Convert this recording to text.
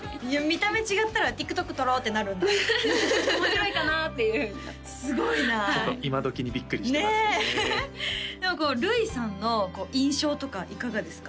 見た目違ったらＴｉｋＴｏｋ撮ろうってなるんだ面白いかなっていうすごいなちょっといまどきにビックリしてますねでもこうルイさんの印象とかいかがですか？